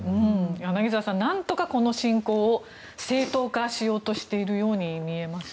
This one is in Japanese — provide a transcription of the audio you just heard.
柳澤さん、なんとかこの侵攻を正当化しようとしているように見えます。